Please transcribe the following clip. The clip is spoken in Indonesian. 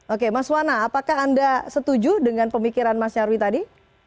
oke mas wana apakah anda setuju dengan pemikiran mas nyarwi tadi